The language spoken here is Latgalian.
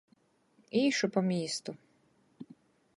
Īšu pa mīstu.